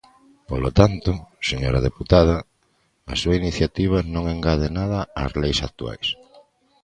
Polo tanto, señora deputada, a súa iniciativa non engade nada ás leis actuais.